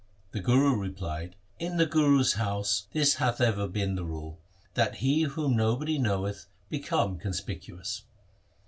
The Guru replied, ' In the Guru's house this hath ever been the rule, that he whom nobody knoweth be cometh conspicuous.